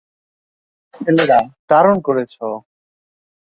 ছেলেরা, দারুণ করেছো!